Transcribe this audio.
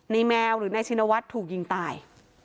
แมวหรือนายชินวัฒน์ถูกยิงตาย